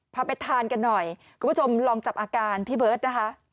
พาไปทานกันหน่อยคุณผู้ชมลองจับอาการพี่เบิร์ตนะคะ